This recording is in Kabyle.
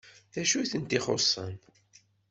D acu i tent-ixuṣṣen?